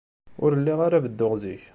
Ur lliɣ ara bedduɣ zik.